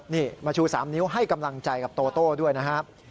นี่มาชู๓นิ้วให้กำลังใจกับโตโต้ด้วยนะครับ